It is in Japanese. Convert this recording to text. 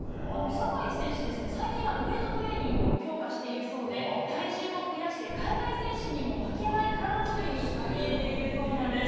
坂井選手ですね、最近はウエートトレーニングを強化しているそうで、体重も増やして、海外選手にも負けない体づくりに励んでいるそうなんです。